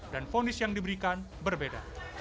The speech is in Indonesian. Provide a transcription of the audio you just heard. dan fonis yang diberikan berbeda